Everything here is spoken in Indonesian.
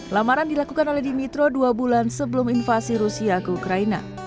lamaran dilakukan oleh dimitro dua bulan sebelum invasi rusia ke ukraina